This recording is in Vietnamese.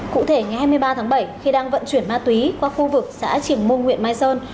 cụ thể ngày hai mươi ba tháng bảy khi đang vận chuyển ma túy qua khu vực xã triển mông huyện mai sơn